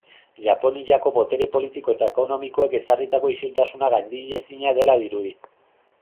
Japoniako botere politiko eta ekonomikoek ezarritako isiltasuna gaindiezina dela dirudi.